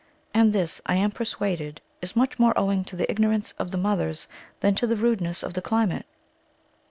And this, I am persuaded, is much more owing to the ignorance of the mothers than to the rudeness of the climate.